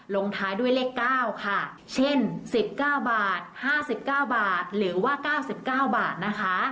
ลงท้ายด้วยเลข๙ค่ะเช่น๑๙บาท๕๙บาทหรือว่า๙๙บาทนะคะ